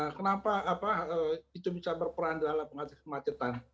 kenapa itu bisa berperan dalam pengacara kemacetan